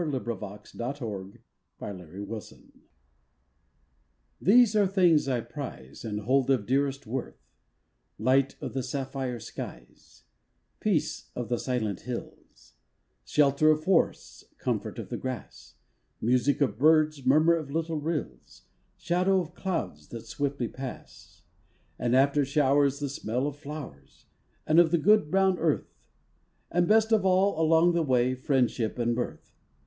A HARVEST OF THANKSGIVING STORIES These are things I prize And hold of dearest worth: Light of the sapphire skies, Peace of the silent hills, Shelter of forests, comfort of the grass, Music of birds, murmur of little rills, Shadow of clouds that swiftly pass, And, after showers, The smell of flowers And of the good brown earth, And best of all, along the way, friendship and mirth.